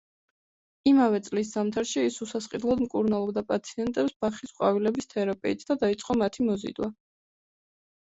იმავე წლის ზამთარში ის უსასყიდლოდ მკურნალობდა პაციენტებს ბახის ყვავილების თერაპიით და დაიწყო მათი მოზიდვა.